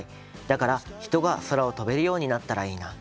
だから、人が空を飛べるようになったらいいな。